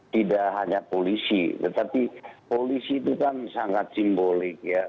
tidak hanya polisi tetapi polisi itu kan sangat simbolik ya